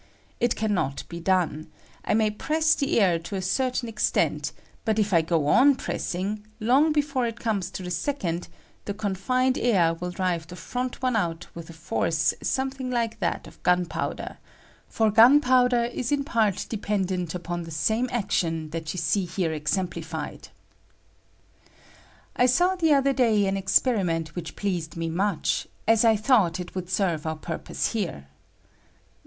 It can not be done ; I may press the air to a certain ^^ extent, but if I go on pressing, long before it ^^L comes to the second the confined air will drive ^^B the front one out with a force something like ^^ that of gunpowder; for gunpowder is in part dependent upon the same action that you see hero exemplified. I saw the other day an experiment which pleased me much, as I thought it would serve our purpose here.